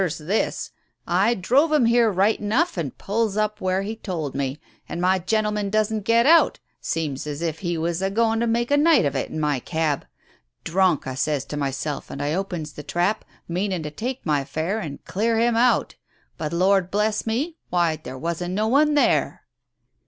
Matter's this. I drove him here right enough, and pulls up where he told me — and my gentle man doesn't get out, seems as if he was a going to make a night of it in my cab. Drunk, I says to my self, and I opens the trap, meaning to take my fare and clear him out, but Lord bless me — why, there wasn't no one there